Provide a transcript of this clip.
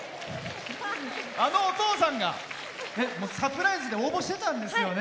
あのお父さんがサプライズで応募してたんですよね。